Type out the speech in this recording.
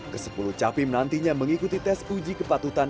kesepuluh capim nantinya mengikuti tes uji kepatutan